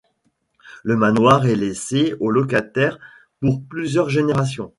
Le manoir est laissé aux locataires pour plusieurs générations.